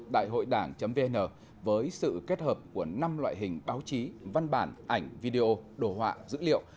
đạihoidang vn với sự kết hợp của năm loại hình báo chí văn bản ảnh video đồ họa dữ liệu